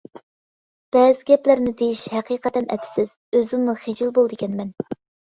-بەزى گەپلەرنى دېيىش ھەقىقەتەن ئەپسىز، ئۆزۈممۇ خىجىل بولىدىكەنمەن.